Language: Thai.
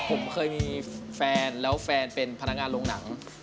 ผมเคยมีแฟนแล้วแฟนเป็นพนักงานโรงหนัง